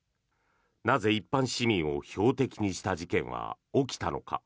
なぜ一般市民を標的にした事件は起きたのか。